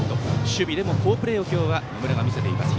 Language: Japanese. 守備でも好プレーを今日は野村、見せています。